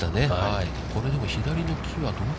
これ、でも左の木は。